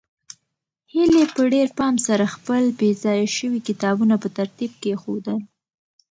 هیلې په ډېر پام سره خپل بې ځایه شوي کتابونه په ترتیب کېښودل.